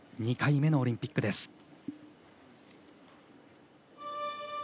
２回目のオリンピックです。